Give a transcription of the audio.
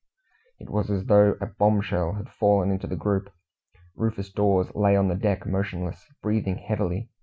It was as though a bombshell had fallen into the group. Rufus Dawes lay on the deck motionless, breathing heavily.